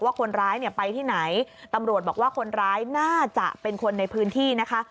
คนร้ายเนี่ยไปที่ไหนตำรวจบอกว่าคนร้ายน่าจะเป็นคนในพื้นที่นะคะ